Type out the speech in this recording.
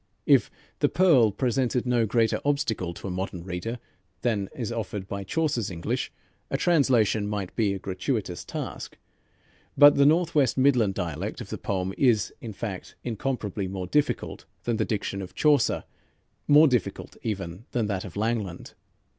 If "The Pearl" presented no greater obstacle to a modern reader than is offered by Chaucer's English, a translation might be a gratuitous task, but the Northwest Midland dialect of the poem is, in fact, incomparably more difficult than the diction of Chaucer, more difficult even than that of Langland.